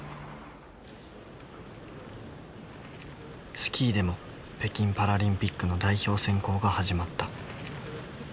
スキーでも北京パラリンピックの代表選考が始まった。